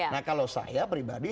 nah kalau saya pribadi